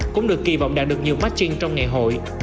cũng được kỳ vọng đạt được nhiều martin trong ngày hội